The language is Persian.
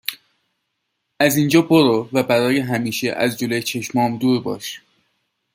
از اینجا برو و برای همیشه از جلوی چشمام دور باش